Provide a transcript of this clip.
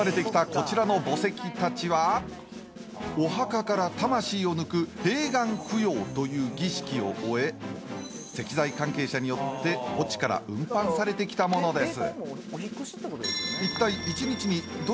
お墓から魂を抜く閉眼供養という儀式を終え石材関係者によって墓地から運搬されてきたものです。